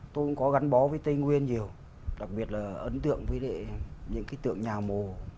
tôi cũng có gắn bó với tây nguyên nhiều đặc biệt là ấn tượng với những cái tượng nhà mồ